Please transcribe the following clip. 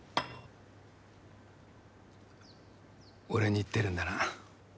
俺に言ってるんだな。